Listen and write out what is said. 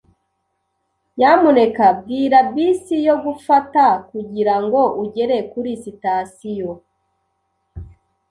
Nyamuneka mbwira bisi yo gufata kugirango ugere kuri sitasiyo.